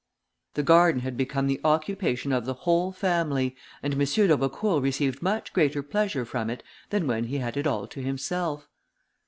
The garden had become the occupation of the whole family, and M. d'Aubecourt received much greater pleasure from it than when he had it all to himself.